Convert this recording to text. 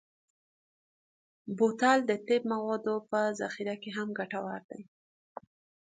بوتل د طب موادو په ذخیره کې هم ګټور دی.